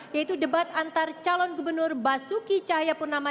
yaitu debat antar calon gubernur basuki cahayapurnama